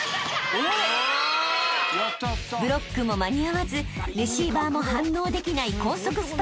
［ブロックも間に合わずレシーバーも反応できない高速スパイクで得点！